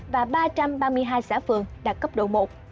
và ba trăm ba mươi hai xã phường đạt cấp độ một